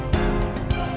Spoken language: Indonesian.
terima kasih dc